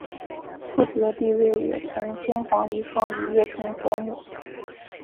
富子的地位也从先皇遗孀一跃成为国母。